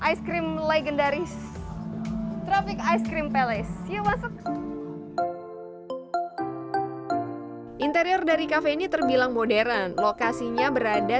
es krim legendaris tropik es krim palace interior dari cafe ini terbilang modern lokasinya berada